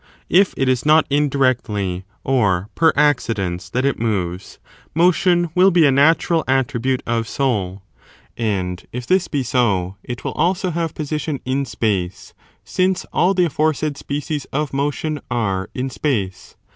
If it is not indirectly or per accidens that it moves, motion will be a natural attribute of soul; and, if this be so, it will also have position in space, since all the aforesaid species of motion are in space.